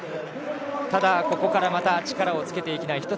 ただ、ここからまた力をつけていきたい。